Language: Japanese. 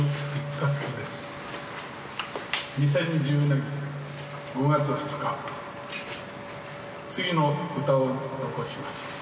「２０１０年５月２日次の歌を残します」